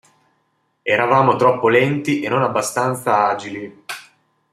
Eravamo troppo lenti e non abbastanza agili.